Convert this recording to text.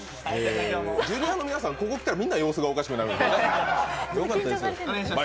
ジュニアの皆さん、ここに来たら、みんな様子がおかしくなるんですね。